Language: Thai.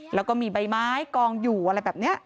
แล้วก็มีใบไม้กองอยู่อะไรแบบนี้